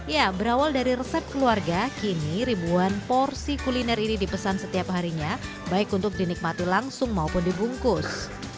ya berawal dari resep keluarga kini ribuan porsi kuliner ini dipesan setiap harinya baik untuk dinikmati langsung maupun dibungkus